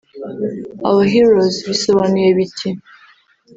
Our Heros” bisobanuye biti